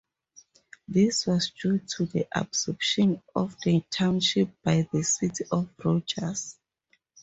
This was due to the absorption of the township by the city of Rogers.